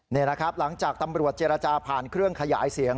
นี่นะครับหลังจากตำรวจเจรจาผ่านเครื่องขยายเสียง